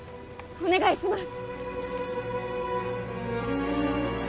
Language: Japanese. お願いします！